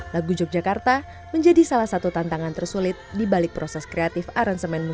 lagu yogyakarta menjadi salah satu tantangan tersulit di balik proses kreatif aransemen musik